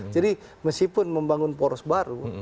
jadi meskipun membangun poros baru